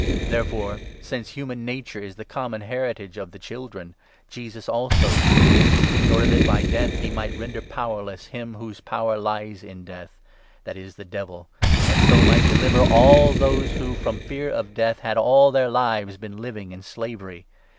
' Therefore, since human nature is the common heritage of 14 ' the Children,' Jesus also shared it, in order that by death he might render powerless him whose power lies in death — that is, the Devil — and so might deliver all those who, from 15 fear of death, had all their lives been living in slavery.